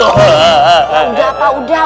udah pak udah udah